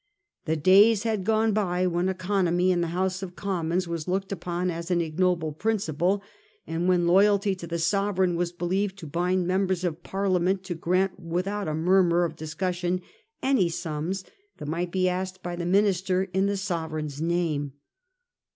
The days had gone by when economy in the House of Commons was looked upon as an ignoble principle, and when loyalty to the Sovereign was believed to bind members of Parliament to grant without a murmur of discussion any sums that might Ijc asked by the minister in the Sovereign's name.